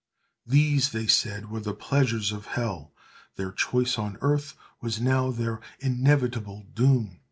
These, they said, were the pleasures of hell: their choice on earth was now their inevitable doom!